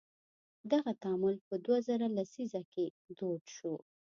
دغه تعامل په دوه زره لسیزه کې دود شو.